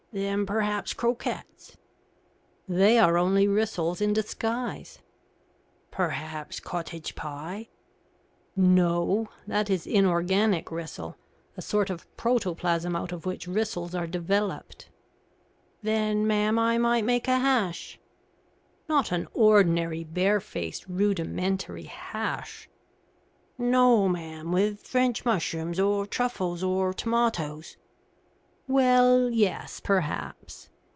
"Then perhaps croquettes?" "They are only rissoles in disguise." "Perhaps cottage pie?" "No; that is inorganic rissole, a sort of protoplasm out of which rissoles are developed." "Then, ma'am, I might make a hash." "Not an ordinary, barefaced, rudimentary hash?" "No, ma'am, with French mushrooms, or truffles, or tomatoes." "Well yes perhaps.